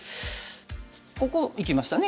ここいきましたね